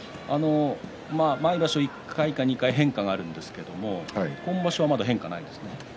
毎場所１回か２回変化があるんですけど今場所はまた変化がないですね。